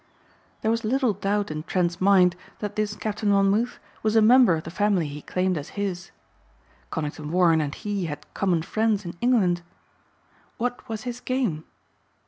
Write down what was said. There was little doubt in Trent's mind that this Captain Monmouth was a member of the family he claimed as his. Conington Warren and he had common friends in England. What was his game?